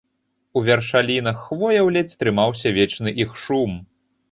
У вяршалінах хвояў ледзь трымаўся вечны іх шум.